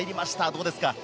どうですか。